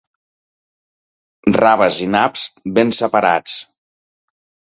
Raves i naps, ben separats.